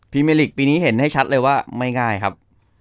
เมลิกปีนี้เห็นให้ชัดเลยว่าไม่ง่ายครับ